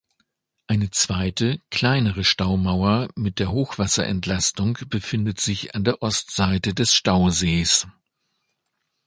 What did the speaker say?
Eine zweite, kleinere Staumauer mit der Hochwasserentlastung befindet sich an der Ostseite des Stausees.